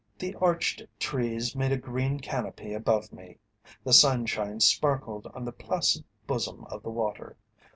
The arched trees made a green canopy above me. The sunshine sparkled on the placid bosom of the water.